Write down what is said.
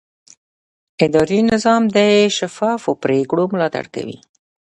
اداري نظام د شفافو پریکړو ملاتړ کوي.